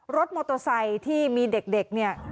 รถโมโตไซค์ที่มีเด็กเนี่ย